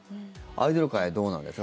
アイドル界どうなんです？